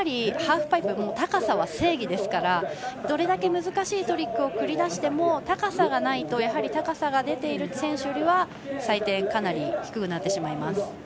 やはりハーフパイプは高さは正義ですからどれだけ難しいトリックを繰り出しても高さがないと高さが出ている選手よりは採点がかなり低くなってしまいます。